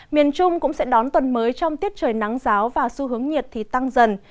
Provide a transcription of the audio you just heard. miền trung cũng sẽ đón tuần mới trong tiết trời nắng giáo và xu hướng nhiệt tăng dần